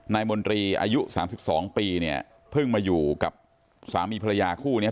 มนตรีอายุ๓๒ปีเนี่ยเพิ่งมาอยู่กับสามีภรรยาคู่เนี้ย